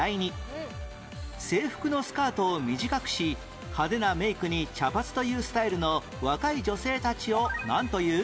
制服のスカートを短くし派手なメイクに茶髪というスタイルの若い女性たちをなんという？